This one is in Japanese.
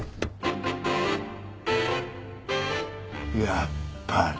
やっぱり。